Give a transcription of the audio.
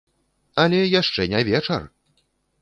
Але яшчэ не вечар!